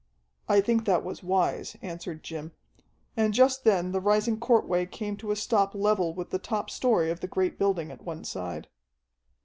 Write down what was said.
"I think that was wise," answered Jim, and just then the rising court way came to a stop level with the top story of the great building at one side.